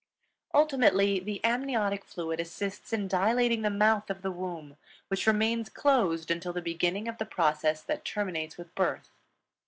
Ultimately, the amniotic fluid assists in dilating the mouth of the womb, which remains closed until the beginning of the process that terminates with birth.